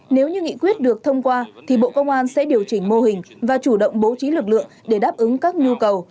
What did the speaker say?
nếu như nghị quyết được thông qua thì bộ công an sẽ điều chỉnh mô hình và chủ động bố trí lực lượng để đáp ứng các nhu cầu